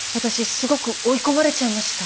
すごく追い込まれちゃいました。